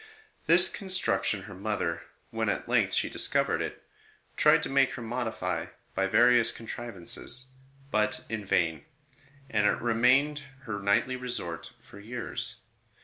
This construction her mother, when at length she discovered it, tried to make her modify by various contrivances, but in vain ; and it remained her 88 ST. ROSE OF LIMA nightly resort for years.